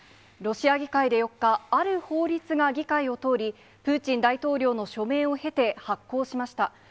ロシア議会で４日、ある法律が議会を通り、プーチン大統領の署名を経て発効しました。